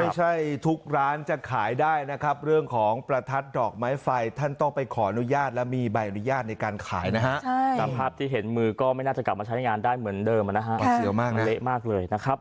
ไม่ใช่ทุกร้านจะขายได้นะครับเรื่องของประทัดดอกไม้ไฟท่านต้องไปขออนุญาตและมีใบอนุญาตในการขายนะฮะตามภาพที่เห็นมือก็ไม่น่าจะกลับมาใช้งานได้เหมือนเดิมนะฮะเละมากเลยนะครับ